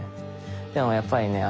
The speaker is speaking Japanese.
でもやっぱりね